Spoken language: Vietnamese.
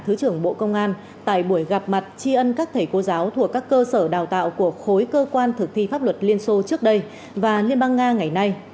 thứ trưởng bộ công an tại buổi gặp mặt tri ân các thầy cô giáo thuộc các cơ sở đào tạo của khối cơ quan thực thi pháp luật liên xô trước đây và liên bang nga ngày nay